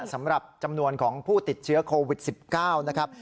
สำหรับจำนวนของผู้ติดเชื้อโควิด๑๙นะครับ